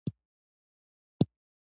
خبرې اترې پر دوی اغېز نلري.